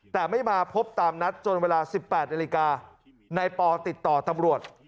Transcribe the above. แต่ไม่มาพบตามนัดจนเวลา๑๘นาฬิกานายปอติดต่อตำรวจ